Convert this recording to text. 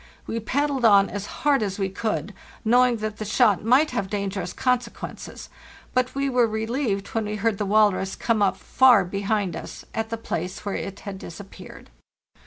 We paddled on as hard as we could, knowing that the shot might have dangerous consequences, but we were relieved when we heard the walrus come up far behind us at the place where it had disappeared.